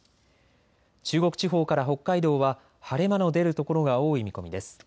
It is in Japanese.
中国地方から北海道は晴れ間の出る所が多い見込みです。